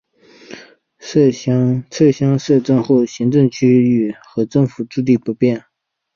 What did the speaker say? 撤乡设镇后行政区域和政府驻地不变。